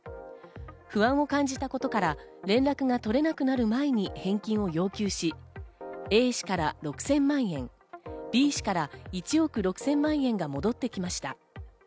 不安を感じたことから連絡が取れなくなる前に返金を要求し、Ａ氏から６０００万円、Ｂ氏から１億６０００万円が戻ってきました。